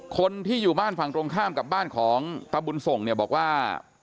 คนที่อยู่บ้านฝั่งตรงข้ามกับบ้านของตะบุญส่งเนี่ยบอกว่า